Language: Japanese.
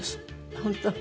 本当？